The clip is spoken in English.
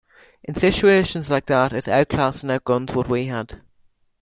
In situations like that it outclassed and outgunned what we had.